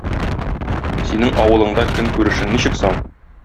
Синең авылыңда көнкүрешең ничек соң?